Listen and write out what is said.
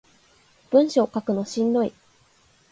文章書くのしんどい